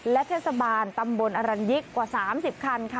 และเทศบาลตำบลอรัญยิกกว่า๓๐คันค่ะ